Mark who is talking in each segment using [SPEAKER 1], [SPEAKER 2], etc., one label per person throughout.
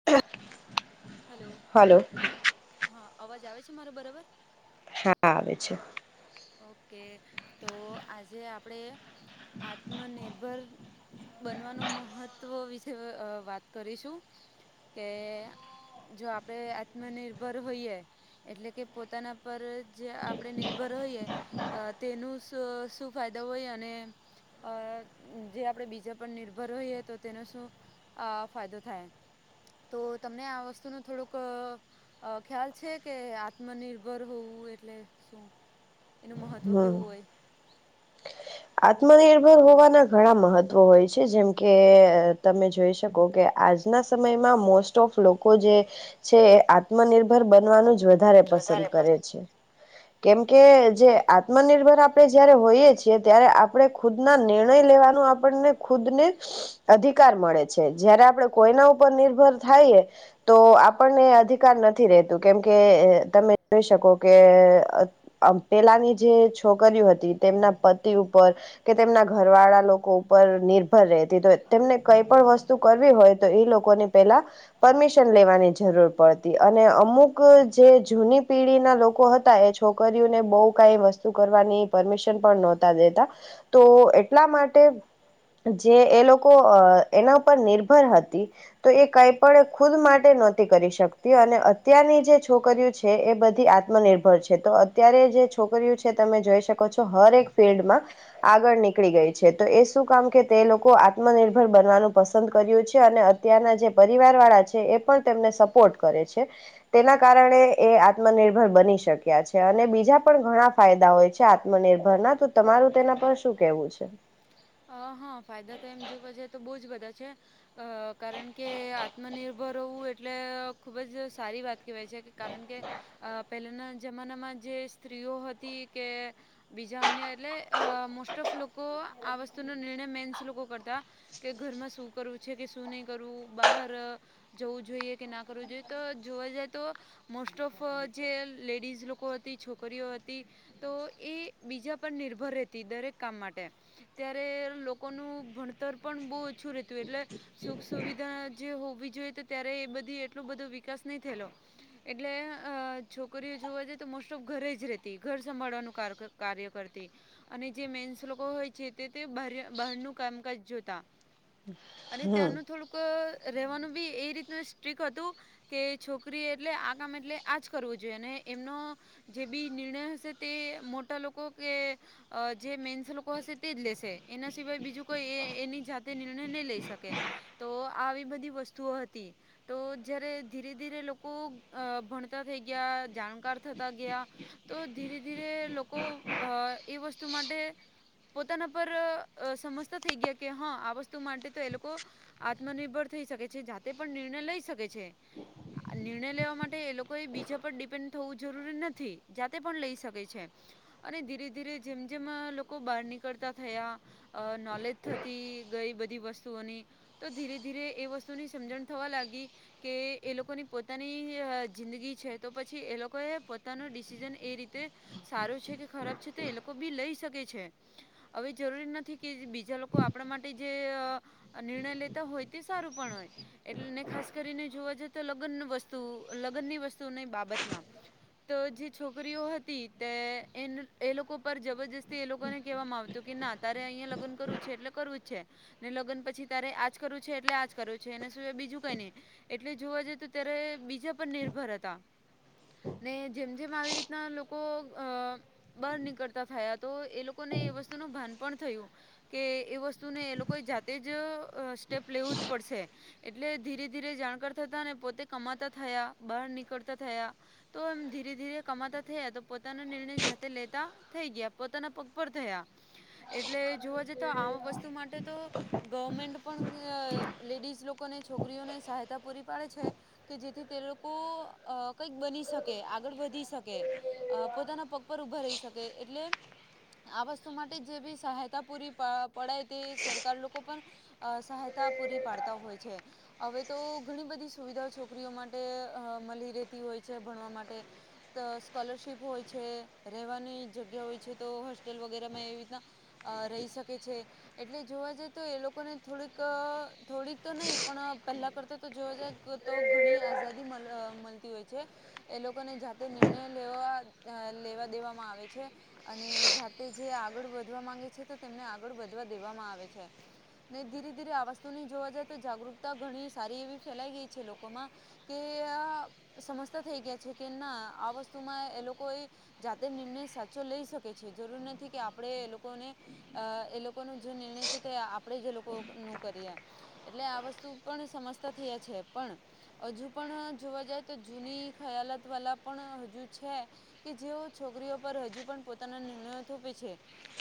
[SPEAKER 1] [unintelligible]
[SPEAKER 2] Hello હા અવાજ આવે છે, મારો બરાબર?
[SPEAKER 1] હા આવે છે.
[SPEAKER 2] ઓકે તો આજે આપણે આત્મનિર્ભર બનવાનું મહત્વ વિશે વાત કરીશું કે જો આપણે આત્મનિર્ભર હોઈએ એટલે કે પોતાના પર જે આપણે નિર્ભર રહીએ અ તેનું શું શું ફાયદા હોય અને અ જે આપણેે બીજા પર નિર્ભર હોઈએ તો તેને શું અ ફાયદો થાય તો તમને આ વસ્તુનું થોડુંક અ ખ્યાલ છે, કે આત્મનિર્ભર હોવું એટલે શું? એનું મહત્ત્વ કેવું હોય.
[SPEAKER 1] આત્મનિર્ભર હોવાના ઘણા મહત્વો હોય છે, જેમ કે તમે જોઈ શકો કે આજના સમયમાં મોસ્ટ ઓફ લોકો જે છે, આત્મનિર્ભર બનવાનું જ વ ધારે પસંદ કરે છે. કેમકે જે આત્મનિર્ભર આપડે જયારે હોઈએ છીએ ત્યારે આપણે ખુદના નિર્ણય લેવાનું આપણને ખુદને અધિ કાર મળે છે. જયારે આપડે કોઈના ઉપર નિર્ભર થાયએ તો આપણને અધિકાર ન થી રહેતું કેમ કે તમે જોઈ શકો કે અ પેલાની જે છોકરીઓ હતી તેમના પતિ ઉપર કે તેમના ઘરવાળા લોકો ઉપર નિર્ભર રહેતી તો તેમને કંઈ પણ વસ્તુ કરવી હોય તો એ લોકોને પેલા પરમિશન લેવાની જરૂર પડતી અને અમુક જે જૂની પેઢીના લોકો હતા એ છોકરીઓને બો કાંઈ વસ્તુ કરવાની પરમિશન પણ ન તા દેતા તો એટલા માટે જે એ લોકો અ એના ઉપર નિર્ભર હતી. તો એ કાંઈ પણ ખુદ માટે નોતી કરી શકતી અને અત્યારની જે છોકરીઓ છે, એ બધી આત્મનિર્ભર છે, તો અત્યારે જે છોકરયું છે, તમે જોઈ શકો છો હરેક ફિલ્ડમાં આગળ નીકળી ગઈ છે, તો એ શું કામ કે તે લોકો આત્મનિર્ભર બનવાનું પસંદ કર્યું છે, અને અ ત્યાંરના જે પરિવારવાળા છે, એ પણ તેમને સપોર્ટ કરે છે. તેના કારણે એ આત્મનિર્ભર બની શક્યા છે, અને બીજા પણ ઘણા ફાયદા હોય છે. આત્મનિર્ભરના તો તમારું તેના પર શું કેવું છે?
[SPEAKER 2] અ હ ફાયદા તો એમ જોવા જએ તો બો જ બધા છે. અ કારણ કે આત્મનિર્ભર હોવું એટલે ખુબ જ સારી વા કેવાય છે, કે કારણ કે અ પહેલાના જમાનામાં જે સ્ત્રી હતી કે બીજા અન્ય એટલે અ મોસ્ટ ઓફ લોકો આ વસ્તુનો નિર્ણય મેન્સ લોકો કરતા. કે ઘરમાં શું કરવું છે, કે શું નહી કરવું બહાર જવું જોઈએ કે ના કરવું જોઈએ તો જોવા જાય તો મોસ્ટ ઓફ જે લેડીઝ લોકો હતી છોકરીઓ હતી તો એ બીજા પર નિર્ભર રહેતી દરેક કામ માટે ત્યારે લોકોનું ભણતર પણ બો ઓછું રહેતું એટલે સુખ સુવિધા જે હોવી જોએ તો ત્યારે એ બધી એટલો બધો વિકાસ ની થયેલો. એટલે અહ છોકરીઓ જોવા જાય તો મોસ્ટ ઓફ ઘરે જ રહેતી. ઘર સંભાળવાનું કાર કર કાર્ય કરતી અને જે મેન્સ લોકો હોય છે તે તે બહાર્ય-બહારનું કામકાજ જોતા અને ત્યારનું થોડુંક ક રેવાનું બી એ રીતના સ્ટ્રીક હતું કે છોકરી એટલે આ કામ એટલે આજ કરવું જોઈએ અને એમનો જે બી નિર્ણય હશે તે મોટા લોકો કે જે મેન્સ લોકો હશે તે જ લેશે એના સિવાય બીજું કોઈ એ એની જાતે નિર્ણય નહી લઈ શકે. તો આવી બધી વસ્તુઓ હતી. તો જયારે ધીરે ધીરે લોકો અહ ભણતા થઈ ગયા, જાણકાર થતા ગયા. તો ધીરે ધીરે લોકો અહ એ વસ્તુ માટે પોતાના પર સમજતા થઈ ગયા કે હા આ વસ્તુ માટે તો એ લોકો આત્મનિર્ભર થઈ શકે છે, જાતે પણ નિર્ણય લઈ શકે છે. આ નિર્ણય લેવા માટે એ લોકોએ બીજા પર ડિપેન્ડ થવું નથી, જાતે પણ લઈ શકે છે. અને ધીરે ધીરે જેમ જેમ અહ લોકો બહાર નીકળતા થયા, અહ નોલેજ થતી ગઈ બધી વસ્તુઓની તો ધીરે ધીરે એ વસ્તુની સમજણ થવા લાગી. કે એ લોકોની પોતાની જિંદગી છે, તો પછી એ લોકોએ પોતાનું ડિસિઝન એ રીતે. સારો છે કે ખરાબ છે તો એ લોકો બી લઈ શકે છે. હવે જરૂરી નથી કે બીજા લોકો આપણા માટે જે અહ આ નિર્ણય લેતા હોય તે સારું પણ હોય. એટલેને ખાસ કરીને જોવા જાવ તો લગનની વસ્તુ લગનની વસ્તુની બાબતમાં તો જે છોકરીઓ હતી તે એ લોકો પર જબરજસ્તી એ લોકોને કહેવામાં આવતું કે ના તારે અહિયા લગન કરવું છે એટલે કરવુંજ છે. ને લગ્ન પછી તારે આજ કરવુ છે એટલે આજ કરવુ છે, એના સીવાય બીજું કઈ નઈ. એટલે જોવા જઈ તો ત્યારે બીજા પર નિર્ભર હતા. ને જેમ જેમ આવી રીતના લોકો અહ બહાર નીકળતા થયા તો એ લોકોને એ વસ્તુ નું ભાન પણ થયું કે એ વસ્તુ ને એ લોકો જાતેજ સ્ટેપ લેવું જ પડશે. એટલે ધીરે ધીરે જાણકાર થતા પોતે કમાતા થયા, બહાર નીકળતા થયા. તો એમ ધીરે ધીરે કમાતા થયા તો પોતાનો નિર્ણય જાતે લેતા થઈ ગયા, પોતાના પગ પર થયા એટલે જોવા જઈએ તો આ વસ્તુ માટે તો ગવરર્મેન્ટ પણ લેડીઝ લોકોને છોકરીઓને સહાયતા પૂરી પાડે છે. કે જેથી તે લોકો અહ કઈક બની શકે, આગળ વધી શકે. પોતાના પગ પર ઊભા રહી શકે એટલે આ વસ્તુ માટે જે બી સહાયતા પૂરી પડાય તે સરકાર લોકો પણ અહ સહાયતા પૂરી પાડતા હોય છે. હવે તો ઘણી બધી સુવિધાઓ છોકરીઓ માટે મલી રેતી હોય છે ભણવા માટે અહ સ્કોલરશિપ હોય છે રહેવાની જગ્યા હોય છે તો હોસ્ટેલ વગેરે મા એવી રીતના અહ રહી શકે છે. એટલે જોવા જાય તો એ લોકોને થોડીક અહ થોડીક તો નહી પણ પહેલા કરતા તો જોવા જાય. તો તો ઘણી આઝાદી મલતી હોય છે. એ લોકોને જાતે નિર્ણય લેવા લેવા દેવામાં આવે છે અને જાતે તે જે આગળ વધવા માંગે છે, તો તેમને આગળ વધવા દેવામાં આવે છે. ને ધીરે ધીરે આ વસ્તુની જોવા જાય તો જાગૃકતા ઘણી સારી એવી ફેલાઈ ગઈ છે લોકોમાં. કે સમજતા થઈ ગયા છે, કે ના આ વસ્તુમાં એ લોકો એ જાતે નિર્ણય સાચો લઈ શકે છે. જરૂર નથી કે આપણે એ લોકોને એ લોકોનો જે નિર્ણય છે, તે આ પણે જે લોકો નું કરીએ એટલે આ વસ્તુ પણ સમજતા થયા છે, પણ અજુ પણ જોવા જાય તો જૂની ખયાલાત વાલા પણ હજુ છે. કે જેઓ છોકરીઓ પર હજુ પણ પોતાના નિર્ણયો થોપે છે.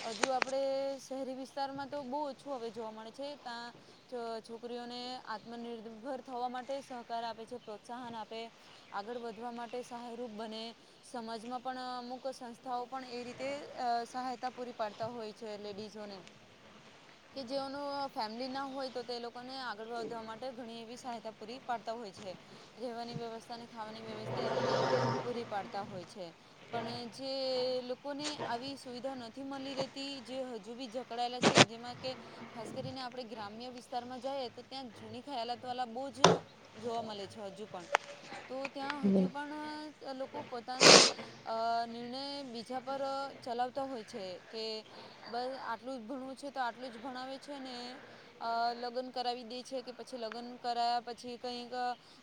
[SPEAKER 2] અજુ આપણે શહેરી વિસ્તારમાં તો બો ઓછું હવે જોવા મળે છે, તા છોકરીઓને આત્મનિર્ભર થવા માટે સહકાર આપે છે, પ્રોત્સાહન આપે આગળ વધવા માટે સહાયરૂપ બને સમાજમાં પણ અમુક સંસ્થાઓ પણ એ રીત તે અ સહાયતા પૂરી પાડતા હોય છે, લેડીઝોને કે જેઓનું ફેમિલીના હોય તો તે લોકોને આગળ વધવા માટે ઘણી એવી સહાયતા પૂરી પાડતા હોય છે. રેવાની વ્યવસ્થા અને ખાવાની વ્યવસ્થા એ બધી પૂરી પાડતા હોય છે, પણ જે લોકોને આવી સુવિધા ન થી મલી રેતી જે હજુ બી જકડાયેલા છે, જેમાં કે ખાસ કરીને આપણે ગ્રામ્ય વિસ્તારમાં જઈએ તો ત્યાં જૂની ખયાલાત વાલા બો જ જોવા મલે છે, હજુ પણ તો ત્યાં હજુ પણ લોકો પોતાનું અ નિર્ણય બી જા પર ચલાવતા હોય છે, કે બસ આટલું જ ભણવું છે, તો આટલું જ ભણાવે છે, ને અ લગન કરાવી દે છે, કે પછી લગન કરાયા પછી કંઈક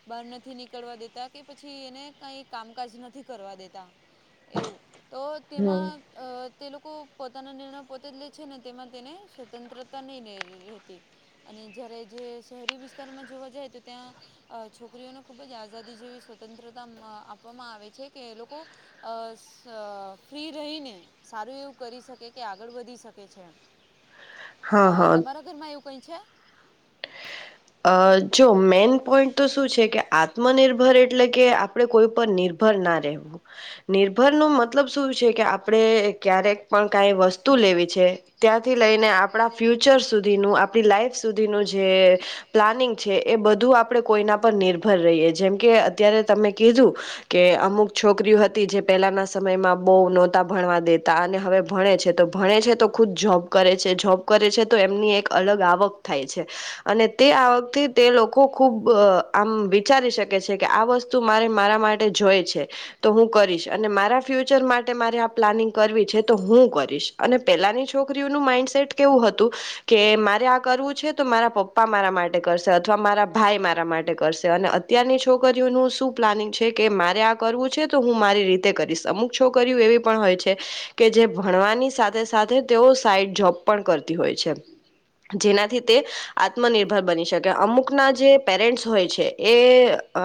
[SPEAKER 2] બહાર નથી નીકળવા દેતા કે પછી એને કાઈ કામકાજ નથી કરવા દેતા એવું તો તેમાં અ તે લોકો પોતાના નિર્ણયો પોતે જ લે છે, ને તેમાં તેને સ્વતંત્રતા નહી રહેતી અને જ્યારે જે શહેરી વિસ્તારમાં જોવા જાય તો ત્યાં અ છોકરીઓને ખુબ જ આઝાદી જેવી સ્વતંત્રતા આપવામાં આવે છે, કે એ લોકો અસ અ ફ્રી રહીને સારું એવું કરી શકે કે આગળ વધી શકે છે. અ તમારા ઘરમાં એવું કઈ છે?
[SPEAKER 1] અ જો મેન પોઈન્ટ તો શું છે, કે આત્મનિર્ભર એટલે કે આપડે કોઈ પર નિર્ ભર ના રેવું નિર્ભર ન મતલબ શું છે, કે આપણે ક્યારેક પણ કઈ વસ્ તુ લેવા છે, તયાંથી લઈને આપણા ફ્યુચર સુધીનું આપડી લાઈફ સુધીનું જે પ્લાનિંગ છે, એ બધું આપણે કોઈના પર નિર્ભર રહીએ જેમ કે ત્યારે તમે કીધું કે અમુક છોકરીઓ હતી જે પહેલાના સમયમાં બો નોતા ભણવા દેતા અને હવે ભણે છે, તો ભણે છે, તો ખુદ જોબ કરે છે, જોબ કરે છે, તો એમની એક અલગ આવક થાય છે, અને તે આવકથી તે લોકો ખૂબ આમ વિચારી શકે છે, કે આ વસ્તુ મારે મારા મા ટે જોય છે. તો હું કરીશ અને મારા ફ્યુચર માટે મારે આ પ્લાનિંગ કરવી છે. તો હું કરીશ અને પેલાની છોકરીઓનું માઈન્ડ સેટ કેવું હતું કે મારે કરવું છે. તો મારા પપ પા મારા માટે કરશે અથવા મારા ભાઈ મારા માટે કરશે અને અત્યારની છોકરીઓનું શું પ્લાનિંગ છે, કે મારે આ કરવું છે, તો હું મારી રીતે કરીશ અમુક છોકરી એવી પણ હોય છે. કે જે ભણવાની સાથે સાથે તેઓ સાઈડ જોબ પણ કરતી હોય છે. જેનાથી તે આત્મનિર્ભર બની શકે અમુકના જે પેરેન્ટ્સ હોય છે, એ અ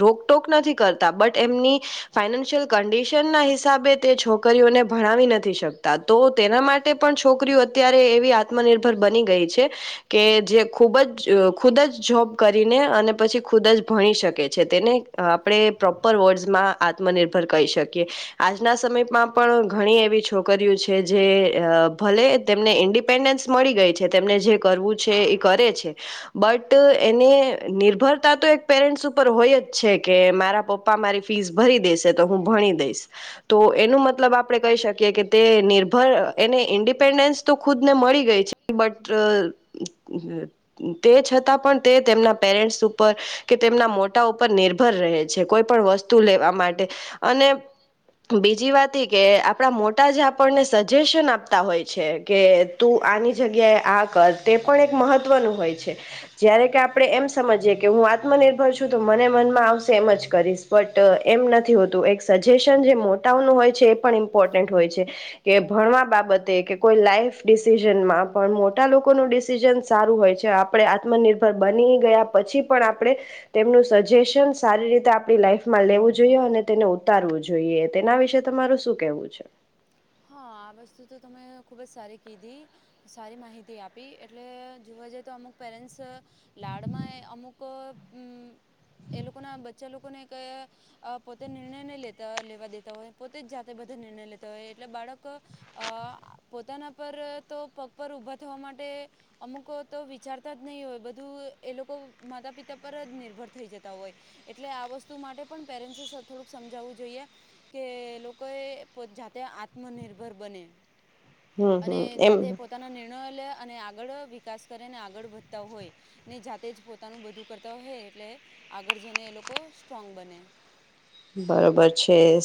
[SPEAKER 1] રો ટોક નથી કરતા બટ એમની ફાઈનાન્શિયલ કન્ડિશન ના હિસાબે તે છોકરીઓને ભણાવી નથી શકતા. તો તેના માટે પણ છોકરીઓ અત્યારે એવી આત્મનિર્ભર બની ગઈ છે. કે જે ખૂબ જ ખુદ જ જોબ કરીને અને પછી ખુદ જ ભણી શકે છે તેને. આપણે પ્રોપર વર્ડ્સમાં આત્મનિર્ભર કહી શકીએ. આજના સમયમાં પણ ઘણી એવી છોકરીઓ છે જે ભલે. તેમને ઇન્ડિપેન્ડન્સ મળી ગઈ છે તેમને જે કરવું છે એ કરે છે. બટ એને નિર્ભરતા તો એક પેરેન્ટ્સ ઉપર હોય જ છે કે મારા પપ્પા. પપ્પા મારી ફીસ ભરી દેશે તો હું ભણી દઈશ. તો એનું મતલબ આપડે કહી શકીએ કે તે નિર્ભર એને ઇન્ડિપેન્ડન્સ તો ખુદ ને મળી ગઈ છે. બટ તે છતાં પણ તે તેમના પેરેન્ટ્સ ઉપર. કે તેમના મોટા ઉપર નિર્ભર રહે છે કોઈ પણ વસ્તુ લેવા માટે અને. બીજી વાત એ કે આપણા મોટા જ આપણને સજેશન આપતા હોય છે કે. તું આની જગ્યાએ આ કર તે પણ એક મહત્વનું હોય છે. જયારે કે આપણે એમ સમજીયે કે હું આત્મનિર્ભર છું. તો મને મનમાં આવશે એમ જ કરીશ. બટ એમ નથી હોતું એક સજેશન જે મોટાનું હોય છે. એ પણ ઇમ્પોર્ટન્ટ હોય છે. કે ભણવા બાબતે કે કોઈ લાઈફ ડિસિઝનમાં પણ મોટા લોકો. લોકોનું ડિસિઝન સારું હોય છે આપણે આત્મનિર્ભર બની ગયા પછી પણ આપણે. તેમનું સજેશન સારી રીતે આપણી લાઈફમાં લેવું જોઈએ. અને તેને ઉતારવું જોઈએ. તેના વિશે તમારુ શું કેવું છે.
[SPEAKER 2] હા આ વસ્તુ તો તમે ખુબ જ સારી કીધી. સારી માહિતી આપી એટલે જોવા જઈએ તો અમુક પેરેન્ટ્સ. લાડમાં અમુક મ એ લોકોના બચ્ચા લોકોને કહે. પોતે નિર્ણય નહી લેતા લેવા દેતા હોય પોતે જ જાતે બધા નિર્ણય લેતા હોય એટલે બાળક. અ પોતાના પર તો પગ પર ઊભા થવા માટે. અમુકો તો વિચારતા જ નહીં હોય બધું એ લોકો માતા પિતા પર જ નિર્ભર થઈ જતા હોય. એટલે આ વસ્તુ માટે પણ પેરેન્ટ્સે થોડુંક સમજાવવું જોઈએ. કે લોકો એ પોતે જાતે આત્મનિર્ભર બને અને જાતે પોતાના નિર્ણયો લે અને આગળ વિકાસ કરેને આગળ વધતા હોય ને જાતે જ પોતાનું બધું કરતા હોય હે એટલે આગળ જઈને એ લોકો સ્ટ્રોંગ બને
[SPEAKER 1] બરોબર છેે સ